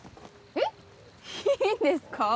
えっ⁉いいんですか？